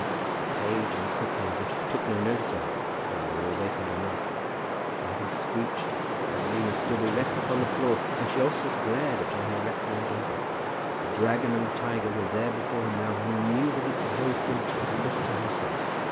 The page and the cook, however, took no notice of it, whether they were awakened or not. And having screeched, Madalina stood erect upon the floor, and she also glared upon her recreant lover. The dragon and the tiger were there before him now, and he knew that it behoved him to look to himself.